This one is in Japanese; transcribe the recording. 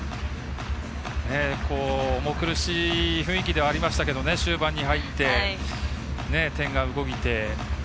重苦しい雰囲気ではありましたが終盤に入って点が動いて。